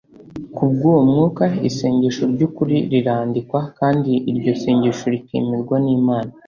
Kubw’uwo Mwuka, isengesho ry’ukuri rirandikwa, kandi iryo sengesho rikemerwa n’Imana